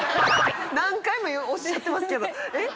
何回もおっしゃってますけどえっ？